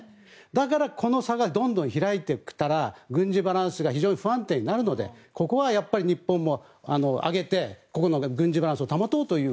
だからこの差がどんどん開いていったら軍事バランスが非常に不安定になるのでここは日本も上げてここの軍事バランスを保とうと。